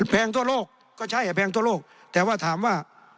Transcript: แพงทั่วโลกก็ใช่แพงทั่วโลกแต่ว่าถามว่า